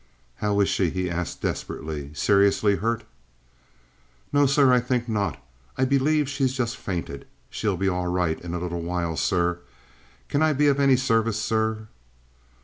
"How is she?" he asked, desperately. "Seriously hurt?" "No, sir; I think not. I believe she's just fainted. She'll be all right in a little while, sir. Can I be of any service, sir?"